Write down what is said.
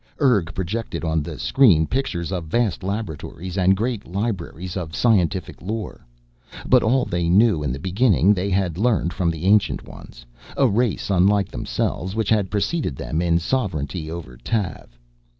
Urg projected on the screen pictures of vast laboratories and great libraries of scientific lore. But all they knew in the beginning, they had learned from the Ancient Ones, a race unlike themselves, which had preceded them in sovereignty over Tav.